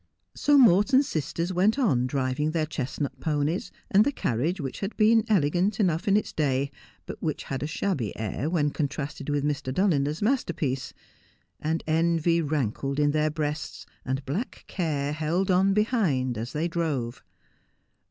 So Morton's sisters went on driving their chestnut ponies, and the carriage which had been elegant enough in its day, but which had a shabby air when contrasted with Mr. Dulliner's masterpiece ; and envy rankled in their breasts, and black care held on behind as they drove.